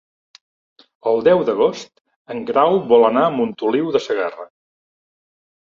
El deu d'agost en Grau vol anar a Montoliu de Segarra.